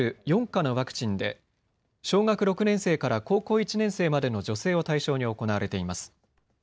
４価のワクチンで小学６年生から高校１年生までの女性を対象に行われています。